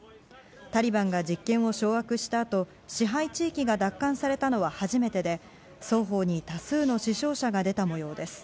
タリバンが実権を掌握したあと支配地域が奪還されたのは初めてで双方に多数の死傷者が出た模様です。